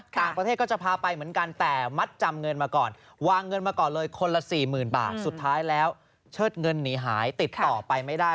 ต่างประเทศก็จะพาไปเหมือนกันแต่มัดจำเงินมาก่อนวางเงินมาก่อนเลยคนละสี่หมื่นบาทสุดท้ายแล้วเชิดเงินหนีหายติดต่อไปไม่ได้